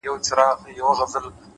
خوښي په ساده شیانو کې ده’